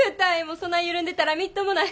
そない緩んでたらみっともない。